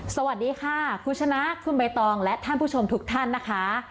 สวัสดีค่ะคุณชนะคุณใบตองและท่านผู้ชมทุกท่านนะคะ